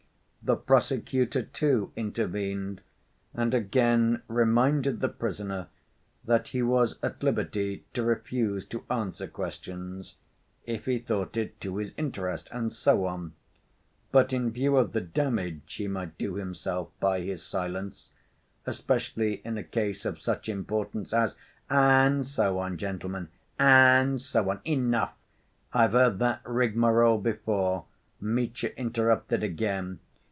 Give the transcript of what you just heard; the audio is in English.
The prosecutor, too, intervened, and again reminded the prisoner that he was at liberty to refuse to answer questions, if he thought it to his interest, and so on. But in view of the damage he might do himself by his silence, especially in a case of such importance as— "And so on, gentlemen, and so on. Enough! I've heard that rigmarole before," Mitya interrupted again.